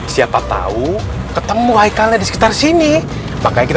sampai jumpa di video selanjutnya